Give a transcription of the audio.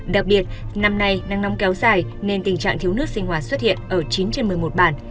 đặc biệt năm nay năng nóng kéo dài nên tình trạng thiếu nước sinh hoạt xuất hiện ở chín trên một mươi một bản